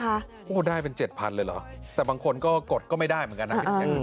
บางคนได้เป็น๗๐๐๐เลยเหรอแต่บางคนกดก็ไม่ได้เหมือนกันนะ